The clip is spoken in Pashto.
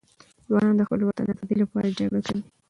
ځوانان د خپل وطن د آزادي لپاره جګړه کوي.